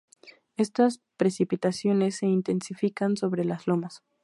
Estas precipitaciones se intensifican sobre las lomas.